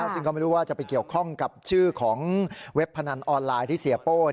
ซึ่งก็ไม่รู้ว่าจะไปเกี่ยวข้องกับชื่อของเว็บพนันออนไลน์ที่เสียโป้